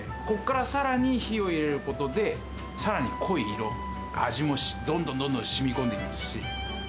ここからさらに火を入れることで、さらに濃い色、味もどんどんどんどん、しみこんでいきますし。